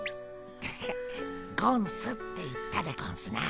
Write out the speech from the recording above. ハハゴンスって言ったでゴンスな。